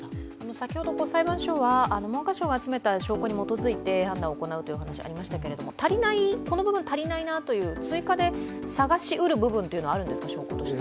先ほど裁判所は文科省が集めた証拠に基づいて判断を行うというお話がありましたけど、この部分足りないなという、追加で探しうることはあるんですか？